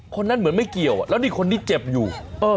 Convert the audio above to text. คนนั้นเหมือนไม่เกี่ยวแล้วนี่คนนี้เจ็บอยู่